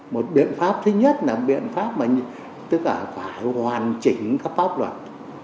một biện pháp thứ nhất là biện pháp mà tất cả phải hoàn chỉnh các pháp luật